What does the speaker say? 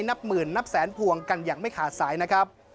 นับหมื่นนับแสนพวงกันอย่างไม่ขาดสายนะครับ